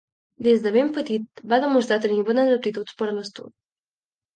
Des de ben petit va demostrar tenir bones aptituds per a l'estudi.